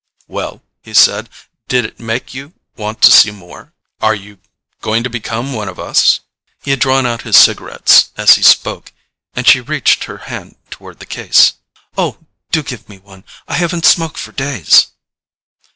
"Well," he said, "did it make you want to see more? Are you going to become one of us?" He had drawn out his cigarettes as he spoke, and she reached her hand toward the case. "Oh, do give me one—I haven't smoked for days!"